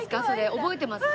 覚えてますか？